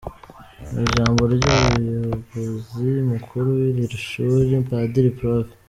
Mu ijambo ry’Umuyobozi Mukuru w’iri shuri, Padiri Prof.